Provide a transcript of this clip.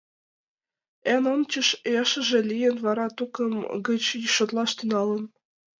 Эн ончыч ешыже лийын, вара тукым гыч шотлаш тӱҥалын.